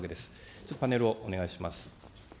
ちょっと、パネルをお願いします。